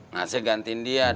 nah saya gantiin dia nih bu